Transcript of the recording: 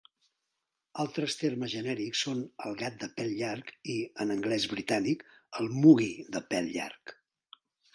Altres termes genèrics són el gat de pèl llarg i, en anglès britànic, el moggie de pèl llarg.